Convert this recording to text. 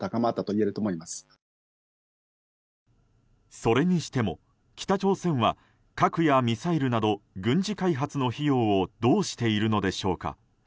それにしても、北朝鮮は核やミサイルなど軍事開発の費用をどうしているのでしょうか。